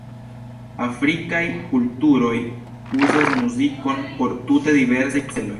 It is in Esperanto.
Afrikaj kulturoj uzas muzikon por tute diversaj celoj.